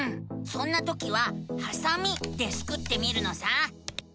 そんなときは「はさみ」でスクってみるのさ！